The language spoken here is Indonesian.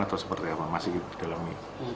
atau seperti apa masih didalami